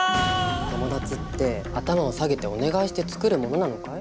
友達って頭を下げてお願いしてつくるものなのかい？